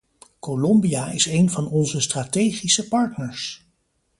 Colombia is een van onze strategische partners.